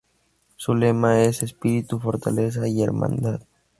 Su lema es; "Espíritu, Fortaleza y Hermandad".